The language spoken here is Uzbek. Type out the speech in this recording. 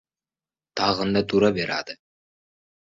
Tag‘inda tura beradi.